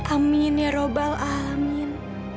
amin ya rabbal alamin